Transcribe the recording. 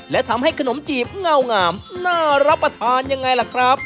และทำให้ขนมจีบเงางามน่ารับประทานยังไงล่ะครับ